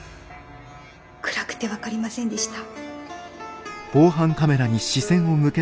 暗くて分かりませんでした。